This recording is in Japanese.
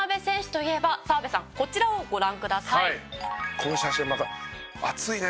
「この写真はまた熱いね」